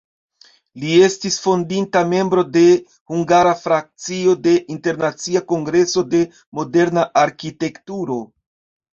Li estis fondinta membro de hungara frakcio de Internacia Kongreso de Moderna Arkitekturo.